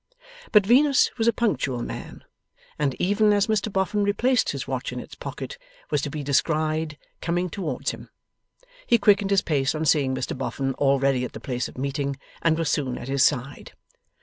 But Venus was a punctual man, and, even as Mr Boffin replaced his watch in its pocket, was to be descried coming towards him. He quickened his pace on seeing Mr Boffin already at the place of meeting, and was soon at his side.